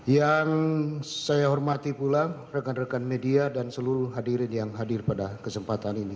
yang saya hormati pula rekan rekan media dan seluruh hadirin yang hadir pada kesempatan ini